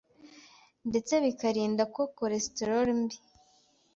ndetse bikarinda ko cholesterol mbi